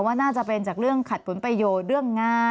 ว่าน่าจะเป็นจากเรื่องขัดผลประโยชน์เรื่องงาน